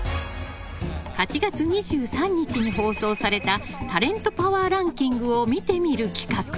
８月２３日に放送されたタレントパワーランキングを見てみる企画。